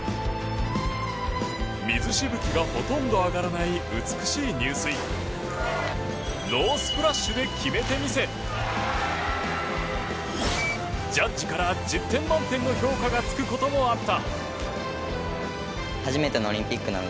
水しぶきがほとんど上がらない美しい入水ノースプラッシュで決めてみせジャッジから１０点満点の評価がつくこともあった。